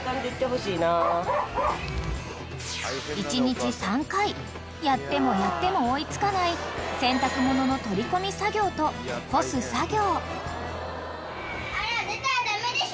［１日３回やってもやっても追い付かない洗濯物の取り込み作業と干す作業］